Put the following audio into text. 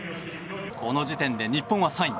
この時点で日本は３位。